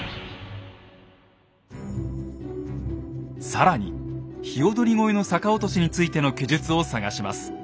更に鵯越の逆落としについての記述を探します。